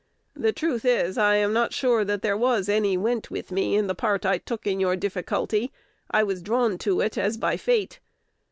The truth is, I am not sure that there was any went with me in the part I took in your difficulty: I was drawn to it as by fate.